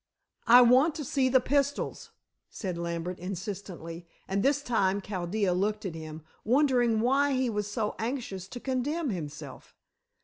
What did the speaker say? "I want to see the pistols," said Lambert insistently, and this time Chaldea looked at him, wondering why he was so anxious to condemn himself.